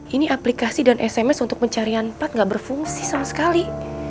ini aplikasi dan sms untuk pencarian empat nggak berfungsi sama sekali